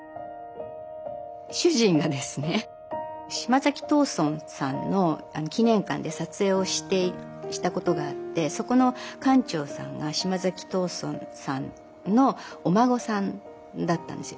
主人がですね島崎藤村さんの記念館で撮影をしたことがあってそこの館長さんが島崎藤村さんのお孫さんだったんですよ。